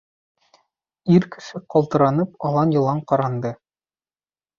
Ир кеше ҡалтыранып алан-йолан ҡаранды.